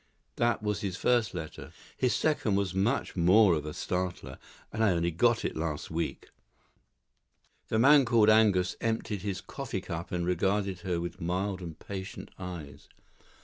That was his first letter. His second was much more of a startler, and I only got it last week." The man called Angus emptied his coffee cup and regarded her with mild and patient eyes.